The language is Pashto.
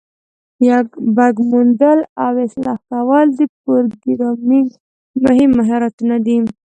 بګ موندل او اصلاح کول د پروګرامینګ مهم مهارتونه دي.